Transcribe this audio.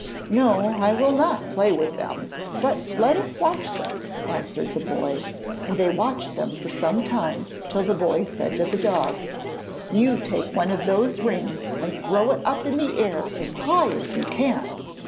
'No; I will not play with them, but let us watch them,' answered the boy, and they watched them for some time, till the boy said to the dog: 'You take one of those rings and throw it up in the air as high as you can.'